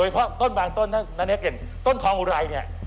เพราะต้นบางต้นต้นทองอุไรเนี่ย